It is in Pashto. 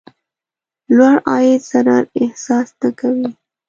لوړ عاید ضرر احساس نه کوي.